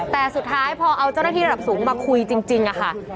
แต่สุดท้ายพอเอาเจ้าหน้าที่ระดับสูงมาคุยจริงค่ะ